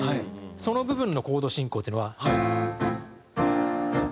その部分のコード進行っていうのは。